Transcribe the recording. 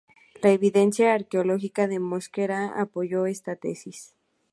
La evidencia arqueológica de Mosquera apoyó esta tesis.